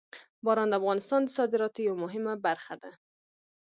باران د افغانستان د صادراتو یوه مهمه برخه ده.